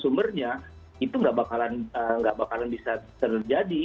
sumbernya itu nggak bakalan bisa terjadi nggak bakal bisa dibuka